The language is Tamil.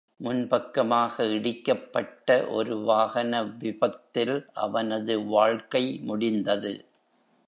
முன்பக்கமாக இடிக்கப்பட்ட ஒரு வாகன விபத்தில் அவனது வாழ்க்கை முடிந்தது.